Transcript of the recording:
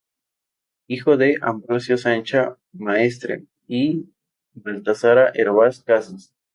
Hijo de Ambrosio Sancha Maestre y Baltasara Hervás Casas.